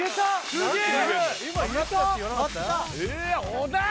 すげえ！